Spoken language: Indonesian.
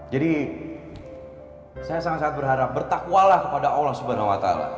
jadi saya sangat sangat berharap bertakwalah kepada allah swt